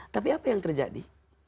tapi apa yang terjadi